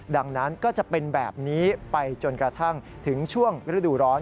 ดังนั้นก็จะเป็นแบบนี้ไปจนกระทั่งถึงช่วงฤดูร้อน